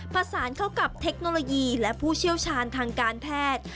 ประสานเข้ากับเทคโนโลยีและผู้เชี่ยวชาญทางการแพทย์